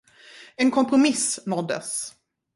En kompromiss nåddes.